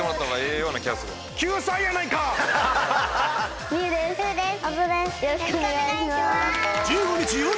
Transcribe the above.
よろしくお願いします。